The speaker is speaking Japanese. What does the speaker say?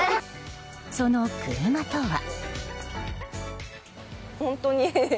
その車とは。